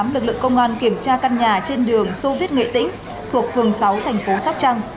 lực lượng công an kiểm tra căn nhà trên đường sô viết nghệ tĩnh thuộc phường sáu thành phố sóc trăng